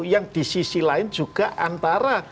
yang di sisi lain juga antara